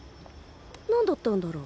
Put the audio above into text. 何だったんだろう？